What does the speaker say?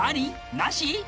なし？